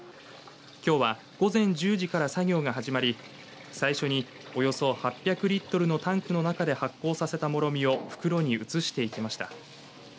きょうは午前１０時から作業が始まり最初におよそ８００リットルのタンクの中で発酵させたもろみを袋に移していきました。